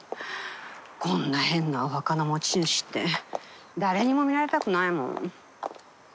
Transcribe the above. こんな変なお墓の持ち主って誰にも見られたくないもの。